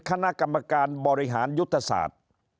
คณะกรรมการบริหารยุทธศาสตร์